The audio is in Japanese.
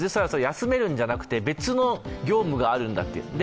休めるんじゃなくて、別の業務があるんだという。